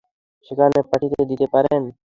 সেখানে পাঠিয়ে দিতে পারেন।